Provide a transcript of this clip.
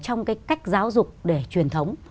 trong cái cách giáo dục để truyền thống